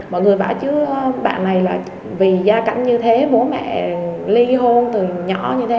mọi người bảo chứ bạn này là vì gia cảnh như thế bố mẹ ly hôn từ nhỏ như thế